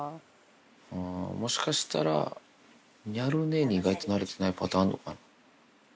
もしかしたら、ニャル姉に意外と慣れてないパターンあるのかな。